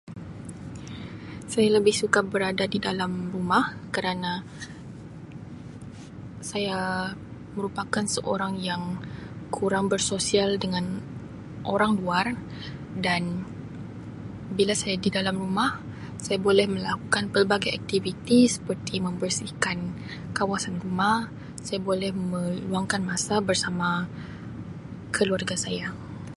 Saya lebih suka berada di dalam rumah kerana saya merupakan seorang yang kurang bersosial dengan orang luar dan bila saya di dalam rumah saya boleh melakukan pelbagai aktiviti seperti membersihkan kawasan rumah saya boleh meluangkan masa bersama keluarga saya.